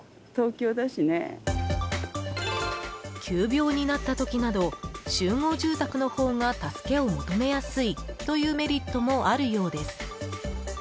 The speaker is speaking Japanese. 急病になった時など集合住宅のほうが助けを求めやすいというメリットもあるようです。